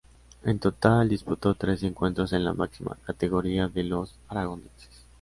En total, disputó tres encuentros en la máxima categoría con los aragoneses.